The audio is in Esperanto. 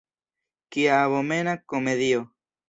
Kia abomena komedio!